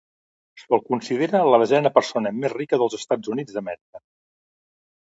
Se'l considera la desena persona més rica dels Estats Units d'Amèrica.